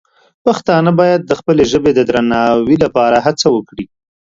پښتانه باید د خپلې ژبې د درناوي لپاره هڅه وکړي.